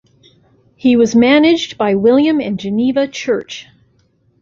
He was managed by William and Geneva Church.